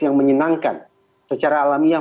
yang menyenangkan secara alamiah